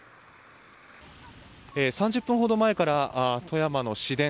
３０分ほど前から富山の市電